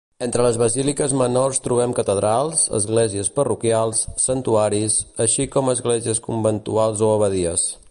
Entre les basíliques menors trobem catedrals, esglésies parroquials, santuaris, així com esglésies conventuals o abadies.